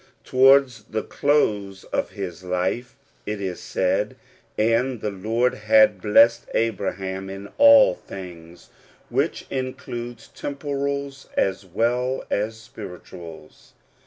Towards the close of his life it is said, "and the Lord had blessed Abraham in all things," which includes temporals as well as spirituals.